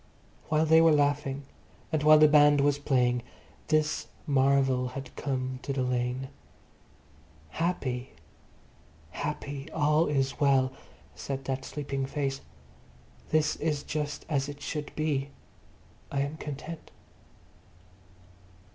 While they were laughing and while the band was playing, this marvel had come to the lane. Happy... happy.... All is well, said that sleeping face. This is just as it should be. I am content.